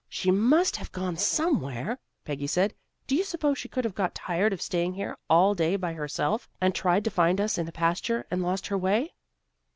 "She must have gone somewhere," Peggy said. "Do you suppose she could have got tired of staying here all day by herself, and tried to find us in the pasture and lost her way?"